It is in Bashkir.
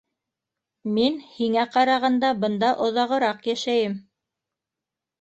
Мин һиңә ҡарағанда бында оҙағыраҡ йәшәйем.